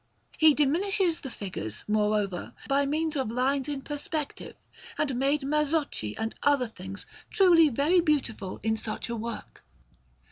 He diminished the figures, moreover, by means of lines in perspective, and made mazzocchi and other things, truly very beautiful in such a work.